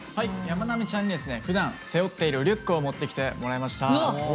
やまなみちゃんにふだん背負っているリュックを持ってきてもらいました。